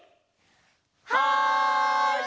はい！